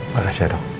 makasih ya dok